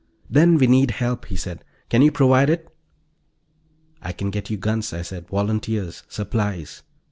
"Then we need help," he said. "Can you provide it?" "I can get you guns," I said. "Volunteers. Supplies."